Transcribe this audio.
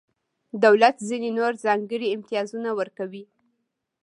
دولت ځینې نور ځانګړي امتیازونه ورکوي.